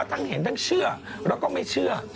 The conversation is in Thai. ทั้งเห็นทั้งเชื่อแล้วก็ไม่เชื่อ